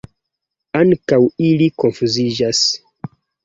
Ankaŭ ili konfuziĝas.